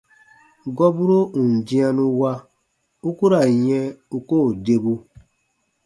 Gɔburo ù n dĩanu wa, u ku ra n yɛ̃ u koo debu.